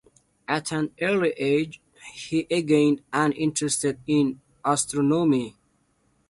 At an early age he gained an interest in astronomy.